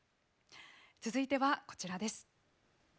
続いてはこちらです。